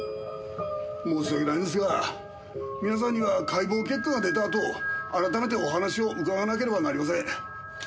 申し訳ないんですが皆さんには解剖結果が出たあと改めてお話を伺わなければなりません。